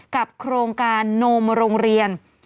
โครงการโนมโรงเรียน